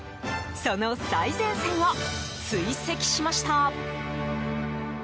その最前線を追跡しました。